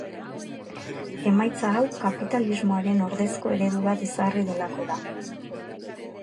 Emaitza hau kapitalismoaren ordezko eredu bat ezarri delako da.